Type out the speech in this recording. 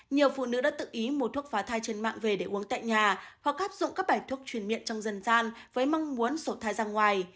nhiều phụ nữ đã tự ý mua thuốc phá thai trên mạng về để uống tại nhà hoặc áp dụng các bài thuốc truyền miệng trong dân gian với mong muốn sổ thai ra ngoài